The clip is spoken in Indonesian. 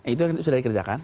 itu sudah dikerjakan